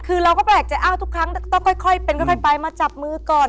คือเราก็แปลกใจอ้าวทุกครั้งต้องค่อยเป็นค่อยไปมาจับมือก่อน